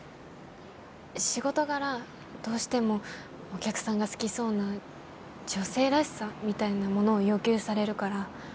仕事柄どうしてもお客さんが好きそうな女性らしさみたいなものを要求されるから。